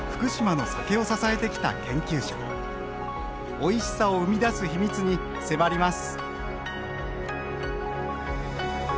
おいしさを生み出す秘密に迫ります